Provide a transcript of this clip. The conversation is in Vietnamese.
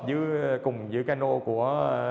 giữa cùng giữa cano của